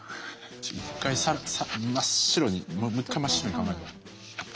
一回真っ白にもう一回真っ白に考えよう。